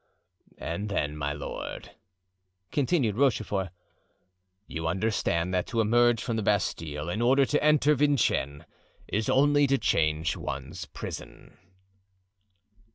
"And then, my lord," continued Rochefort, "you understand that to emerge from the Bastile in order to enter Vincennes is only to change one's prison."